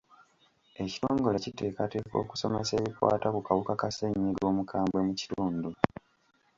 Ekitongole kiteekateeka okusomesa ebikwata ku kawuka ka ssenyiga omukambwe mu kitundu.